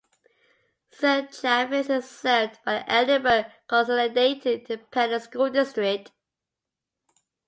Cesar Chavez is served by the Edinburg Consolidated Independent School District.